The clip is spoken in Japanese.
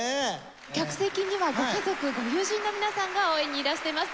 客席にはご家族ご友人の皆さんが応援にいらしています。